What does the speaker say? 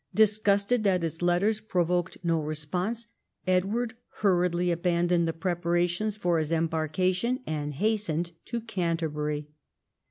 Disgusted that his letters provoked no response, Edward hurriedly abandoned the preparations for his embarka tion and hastened to Canterbury.